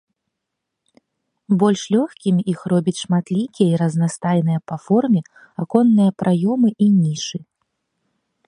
Больш лёгкімі іх робяць шматлікія і разнастайныя па форме аконныя праёмы і нішы.